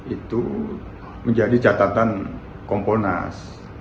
itu menjadi catatan kompolnas